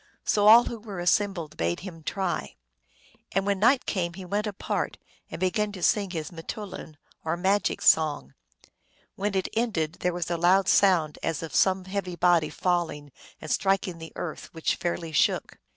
So all who were assembled bade him try. And when night came he went apart, and began to sing his m teoulin, or magic song. When it ended there was a loud sound as of some heavy body falling and striking the earth, which fairly shook.